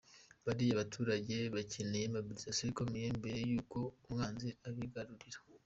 Bariya baturage bakeneye mobilisation ikomeye mbere y’uko Umwanzi abigarurira.